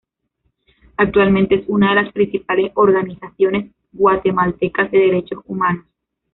Actualmente es una de las principales organizaciones guatemaltecas de derechos humanos.